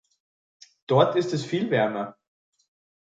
Dort ist es viel wärmer.